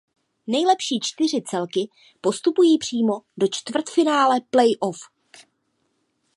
Nejlepší čtyři celky postupují přímo do čtvrtfinále playoff.